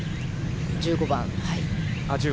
１５番。